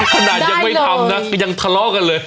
ขนาดยังไม่ทำนะยังทะเลาะกันเลย